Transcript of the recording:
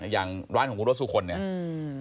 อย่างร้านของคุณรถสุคลเนี่ย